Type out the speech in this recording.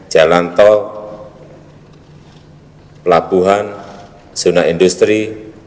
jalan tol pelabuhan zona industri